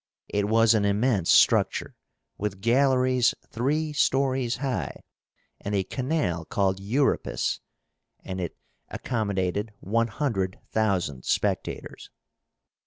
It was an immense structure, with galleries three stories high, and a canal called Eurípus, and it accommodated one hundred thousand spectators.